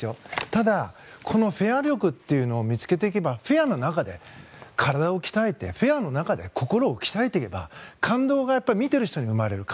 ただ、このフェア力っていうのを見つけていけばフェアな中で体を鍛えてフェアの中で心を鍛えていけば感動が見ている人に生まれる。